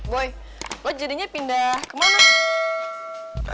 boy lo jadinya pindah kemana